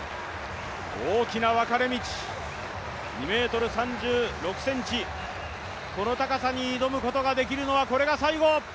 大きな分かれ道、２ｍ３６ｃｍ、この高さに挑むことができるのはこれが最後。